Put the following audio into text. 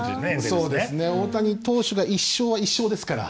そうですね大谷投手が１勝は１勝ですから。